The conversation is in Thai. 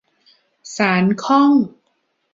สานข้อง